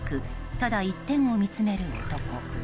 ただ１点を見つめる男。